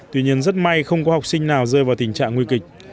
tuy nhiên rất may không có học sinh nào rơi vào tình trạng nguy kịch